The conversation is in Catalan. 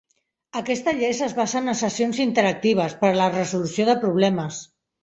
Aquests tallers es basen en sessions interactives per a la resolució de problemes.